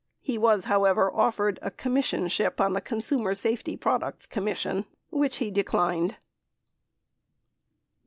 He was, however, offered a commissionship on the Consumer Safety Products Commission, which he declined.